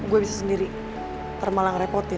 gue bisa sendiri ntar malah ngerepotin